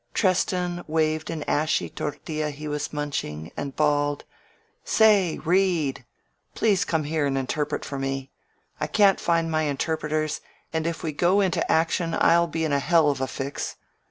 Treston waved an ashy, tortilla he was munching and bawled, ^^Say, Reed! Please come here and interpret for me ! I can't find my interpreters, and if we go into action I'll be in a hell of a fix